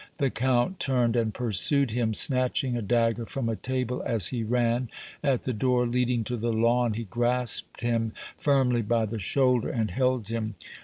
The Count turned and pursued him, snatching a dagger from a table as he ran. At the door leading to the lawn, he grasped him firmly by the shoulder and held him.